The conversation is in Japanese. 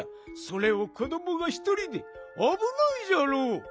それを子どもがひとりであぶないじゃろう。